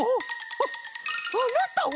ああなたは？